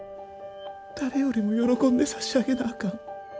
誰よりも喜んで差し上げなあかん。